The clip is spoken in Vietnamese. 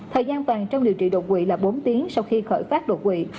thời gian toàn trong điều trị độc quỵ là bốn tiếng sau khi khởi phát độc quỵ